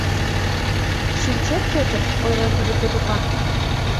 — Шинчет, Пӧтыр, — ойлен тудо Пӧтырлан.